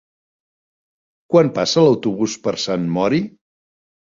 Quan passa l'autobús per Sant Mori?